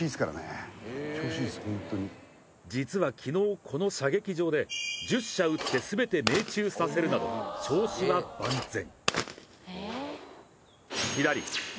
実は昨日、この射撃場で１０射撃って全て命中させるなど、調子は万全。